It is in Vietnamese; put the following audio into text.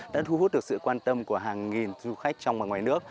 đã thu hút được sự quan tâm của hàng nghìn du khách trong và ngoài nước